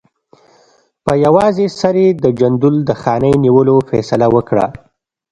په یوازې سر یې د جندول د خانۍ د نیولو فیصله وکړه.